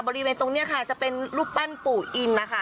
บริเวณตรงนี้ค่ะจะเป็นรูปปั้นปู่อินนะคะ